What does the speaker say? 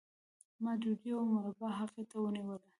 ما ډوډۍ او مربا هغې ته ونیوله